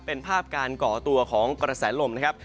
เป็นภาพการก่อตัวของกระแสลมนะครับ